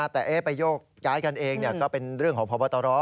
แต่ไปโยกย้ายกันเองก็เป็นเรื่องของพบตร